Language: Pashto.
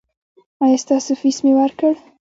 ایا ستاسو فیس مې ورکړ؟